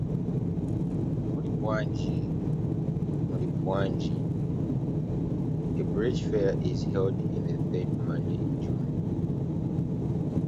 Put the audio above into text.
A Breage Fair is held on the third Monday in June.